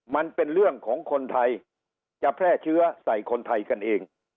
มันเป็นเรื่องของคนไทยจะแพร่เชื้อใส่คนไทยกันเอง